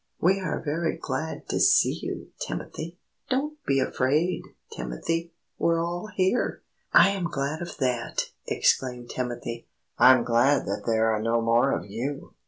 "We are very glad to see you, Timothy!" "Don't be afraid, Timothy, we're all here!" "I am glad of that!" exclaimed Timothy; "I'm glad that there are no more of you!"